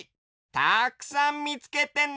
たくさんみつけてね！